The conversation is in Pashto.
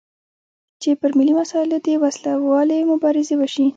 چې پر ملي مسایلو دې وسلوالې مبارزې وشي.